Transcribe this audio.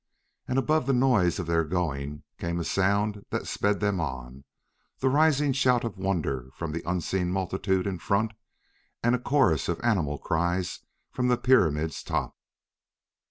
And above the noise of their going came a sound that sped them on the rising shout of wonder from the unseen multitude in front, and a chorus of animal cries from the pyramid's top.